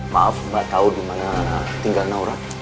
maaf mbak tau dimana tinggal naura